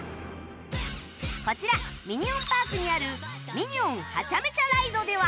こちらミニオン・パークにあるミニオン・ハチャメチャ・ライドでは